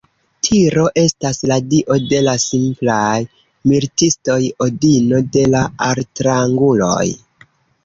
Tiro estas la dio de la simplaj militistoj, Odino de la altranguloj.